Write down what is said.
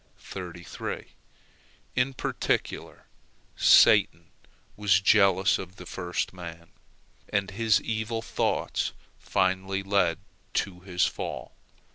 In particular, Satan was jealous of the first man, and his evil thoughts finally led to his fall.